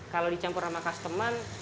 kalau dicampur sama customer